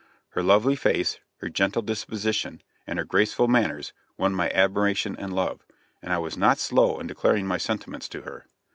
Her lovely face, her gentle disposition and her graceful manners won my admiration and love; and I was not slow in declaring my sentiments to her.